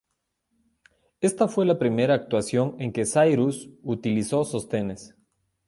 Esta fue la primera actuación en que Cyrus utilizó sostenes.